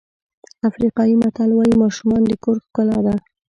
افریقایي متل وایي ماشومان د کور ښکلا ده.